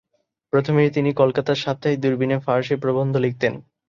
প্রথমে তিনি কলকাতার সাপ্তাহিক দুরবীন-এ ফারসি প্রবন্ধ লিখতেন।